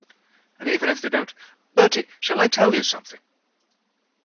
And even if they don't — Bertie, shall I tell you something?